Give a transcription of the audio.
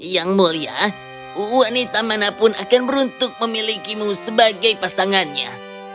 yang mulia wanita manapun akan beruntuk memilikimu sebagai pasangannya